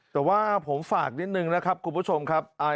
แต่ว่าผมฝากนิดนึงนะครับคุณผู้ชมครับ